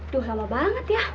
tuh lama banget ya